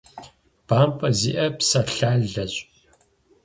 БампӀэ зиӀэ псэлъалэщ.